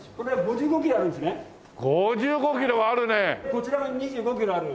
こちらが２５キロある。